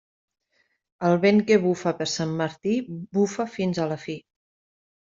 El vent que bufa per Sant Martí, bufa fins a la fi.